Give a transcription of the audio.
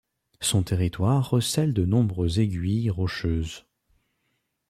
Son territoire recèle de nombreuses aiguilles rocheuses.